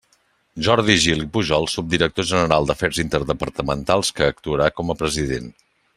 Jordi Gil i Pujol, subdirector general d'Afers Interdepartamentals, que actuarà com a president.